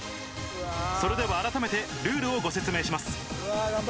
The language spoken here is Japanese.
それではあらためてルールをご説明します。